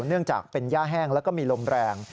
เนื่องจากเป็นย่าแห้งแล้วก็มีลมแรง